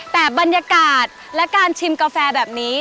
แต่บรรยากาศและการชิมกาแฟแบบนี้